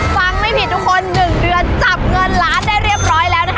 ฟังไม่ผิดทุกคน๑เดือนจับเงินล้านได้เรียบร้อยแล้วนะคะ